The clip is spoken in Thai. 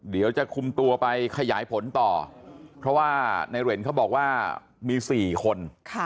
เดี๋ยวจะคุมตัวไปขยายผลต่อเพราะว่าในเหรนเขาบอกว่ามี๔คน